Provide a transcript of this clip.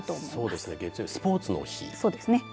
そうですね月曜はスポーツの日。